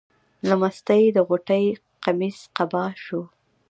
له مستۍ د غوټۍ قمیص قبا شو.